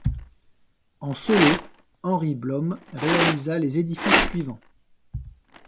En solo, Henri Blomme réalisa les édifices suivants.